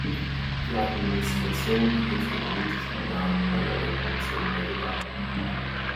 Die Administration hilft den politischen Organen bei der Organisation der Debatten.